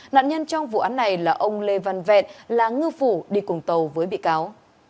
nạn nhân trong vụ án này là ông lê văn vẹn là ngư phủ đi cùng tàu với bị cáo